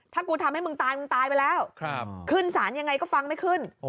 ถ้ากูทำให้มึงตายมึงตายไปแล้วขึ้นสารยังไงก็ฟังไม่ขึ้น